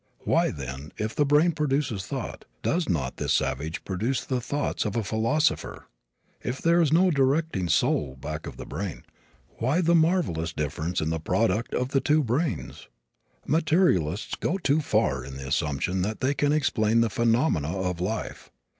Why, then, if the brain produces thought, does not this savage produce the thoughts of a philosopher? If there is no directing soul back of the brain, why the marvelous difference in the product of the two brains? Materialists go too far in the assumption that they can explain the phenomena of life.